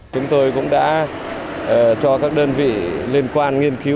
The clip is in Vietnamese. chúng tôi cũng đã cho các đơn vị liên quan nghiên cứu